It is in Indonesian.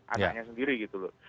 anaknya sendiri gitu loh